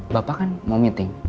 bapak kan mau meeting